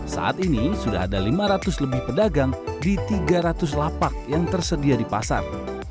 saat ini sudah ada lima ratus lebih pedagang di tiga ratus lapak yang tersedia di pasar